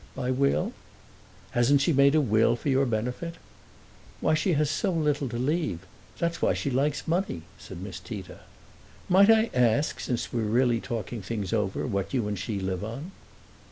"By will?" "Hasn't she made a will for your benefit?" "Why, she has so little to leave. That's why she likes money," said Miss Tita. "Might I ask, since we are really talking things over, what you and she live on?"